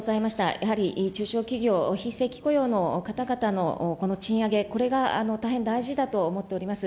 やはり中小企業、非正規雇用の方々のこの賃上げ、これが大変大事だと思っております。